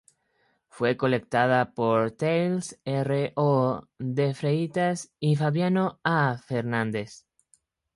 Fue colectada por Thales R. O. de Freitas y Fabiano A. Fernandes.